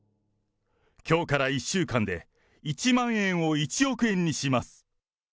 きょうから１週間で、１万円を１億円にします。